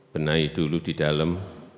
benahi dulu di dalam